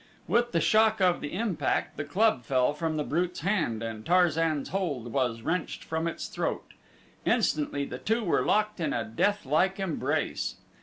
With the shock of the impact the club fell from the brute's hand and Tarzan's hold was wrenched from its throat. Instantly the two were locked in a deathlike embrace.